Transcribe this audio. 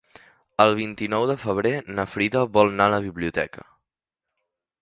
El vint-i-nou de febrer na Frida vol anar a la biblioteca.